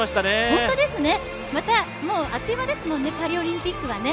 本当ですね、またあっという間ですもんね、パリオリンピックはね。